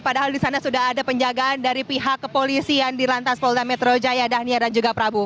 padahal di sana sudah ada penjagaan dari pihak kepolisian di lantas polda metro jaya dhania dan juga prabu